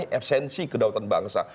tidak mengamali efisiensi kedatuan bangsa